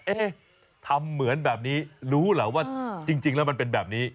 ทำเหมือนแบบนี้รู้เหรอว่าจริงแล้วมันเป็นแบบนี้